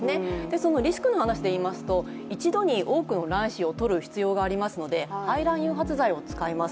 そのリスクの話でいいますと、一度に多くの卵子をとる必要がありますので排卵誘発剤を使います。